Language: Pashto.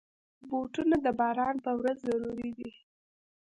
بوټونه د باران پر ورځ ضروري دي.